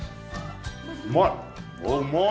うまい！